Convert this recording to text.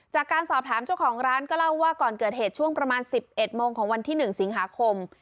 จากการสอบถามเจ้าของร้านก็เล่าว่าก่อนเกิดเหตุช่วงประมาณ๑๑โมงของวันที่๑สิงหาคม